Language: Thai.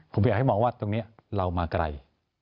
ผมอยากให้มองว่าตรงนี้เรามาไกล